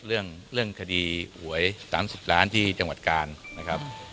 เรื่องคดีหวย๓๐ล้านบาทที่จังหวัดการ